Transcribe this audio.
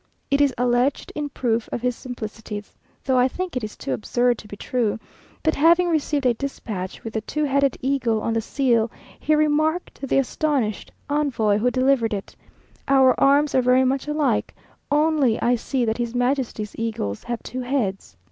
It is alleged, in proof of his simplicity, though I think it is too absurd to be true, that having received a despatch with the two headed eagle on the seal, he remarked to the astonished envoy who delivered it "Our arms are very much alike, only I see that his majesty's eagles have two heads.